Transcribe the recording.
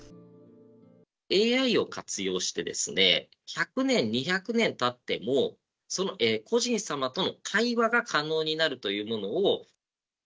ＡＩを活用してですね、１００年、２００年たっても、その故人様との会話が可能になるというものを。